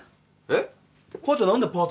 えっ？